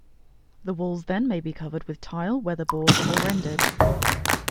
The walls then may be covered with tile, weatherboards or rendered.